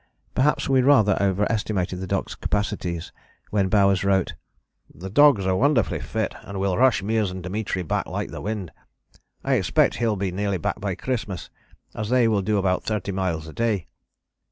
Perhaps we rather overestimated the dogs' capacities when Bowers wrote: "The dogs are wonderfully fit and will rush Meares and Dimitri back like the wind. I expect he will be nearly back by Christmas, as they will do about thirty miles a day."